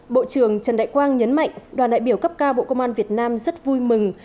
bộ trưởng trần đại quang nhấn mạnh đoàn đại biểu cấp cao bộ công an việt nam rất vui mừng